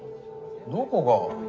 どこが？